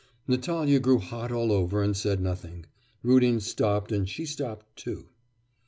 Natalya grew hot all over and said nothing, Rudin stopped, and she stopped too.